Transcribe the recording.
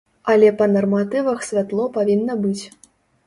Але па нарматывах святло павінна быць.